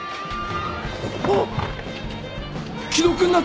あっ！